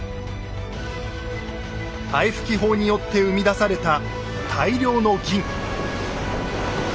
灰吹法によって生み出された大量の銀。